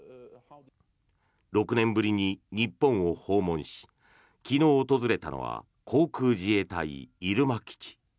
６年ぶりに日本を訪問し昨日、訪れたのは航空自衛隊入間基地。